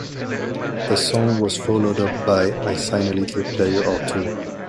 The song was followed up by "I Sign a Little Player or Two".